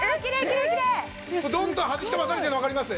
きれいきれいどんどんはじき飛ばされてるの分かります？